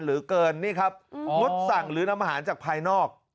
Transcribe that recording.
เหลือเกินนี่ครับงดสั่งหรือนำอาหารจากภายนอก